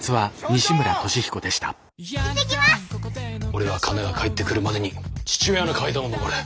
俺はカナが帰ってくるまでに父親の階段を上る。